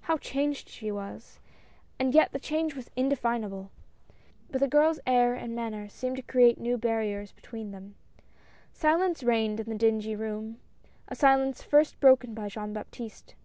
How changed she was, and yet the change was indefinable. But the girl's air and manner seemed to create new barriers between them. Silence reigned in the dingy room, a silence first broken by Jean Baptiste.